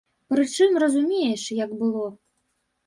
Прычым разумееш, як было.